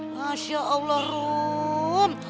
masya allah rum